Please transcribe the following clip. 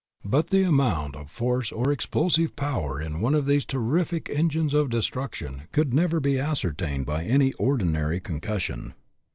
But the amount of force or explosive power in one of these terrific engines of destruction could never be ascertained by any ordinary concus sion.